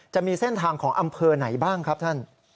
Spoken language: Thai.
จะมีเส้นทางของอำเภอไหนบ้างครับท่าน